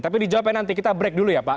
tapi dijawabkan nanti kita break dulu ya pak